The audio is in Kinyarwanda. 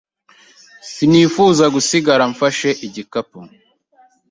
sinifuza gusigara mfashe igikapu.